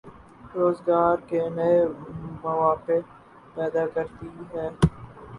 روزگار کے نئے مواقع پیدا کرتی ہے۔